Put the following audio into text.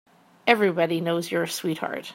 Everybody knows you're a sweetheart.